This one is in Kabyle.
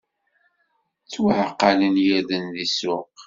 Ttwaɛqalen yirden di ssuq!